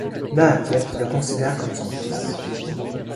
Nahapiet le considère comme son fils.